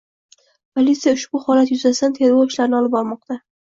Politsiya ushbu holat yuzasidan tergov ishlarini olib bormoqda.